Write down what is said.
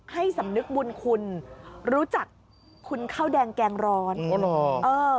สำนึกบุญคุณรู้จักคุณข้าวแดงแกงร้อนเออ